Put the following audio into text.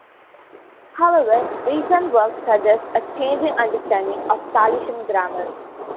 However, recent work suggests a changing understanding of Salishan grammar.